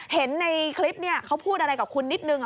เห็นในคลิปเขาพูดอะไรกับคุณนิดนึง